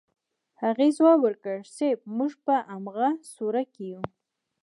هغې ځواب ورکړ صيب موږ په امغه سوړه کې يو.